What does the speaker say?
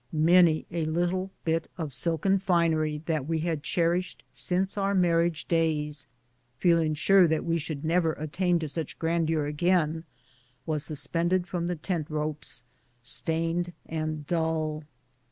Many a little bit of silken finery that we had cherished since our marriage days, feeling sure that we should never attain to such grandeur again, was suspended from the tent ropes, stained and dull.